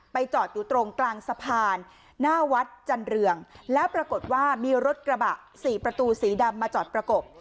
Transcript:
จอดอยู่ตรงกลางสะพานหน้าวัดจันเรืองแล้วปรากฏว่ามีรถกระบะสี่ประตูสีดำมาจอดประกบ